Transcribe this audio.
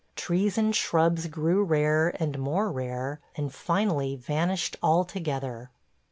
Trees and shrubs grew rare and more rare, and finally vanished altogether.